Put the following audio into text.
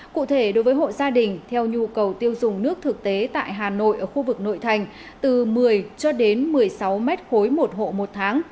cụ thể đối với hộ gia đình theo nhu cầu tiêu dùng nước thực tế tại hà nội ở khu vực nội thành từ một mươi cho đến một mươi sáu m ba một hộ một tháng